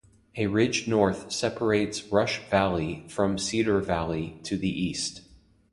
A ridge north separates Rush Valley from Cedar Valley to the east.